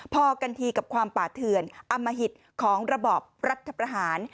พอกันทีกับความป่าเถื่อนอมหิตของระบอบรัฐประหาร